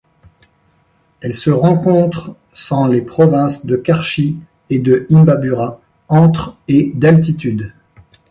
Elle se rencontre sans les provinces de Carchi et de Imbabura entre et d'altitude.